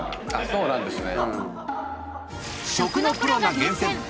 そうなんですね。